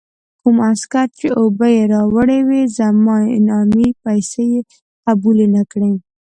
کوم عسکر چې اوبه یې راوړې وې، زما انعامي پیسې یې قبول نه کړې.